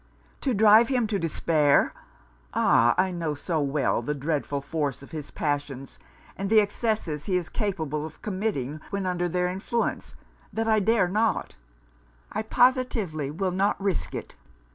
'To drive him to despair? Ah! I know so well the dreadful force of his passions, and the excesses he is capable of committing when under their influence, that I dare not, I positively will not, risk it.